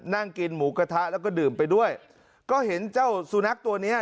นั่งกินหมูกระทะแล้วก็ดื่มไปด้วยก็เห็นเจ้าสุนัขตัวเนี้ย